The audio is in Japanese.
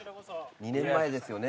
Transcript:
２年前ですよね。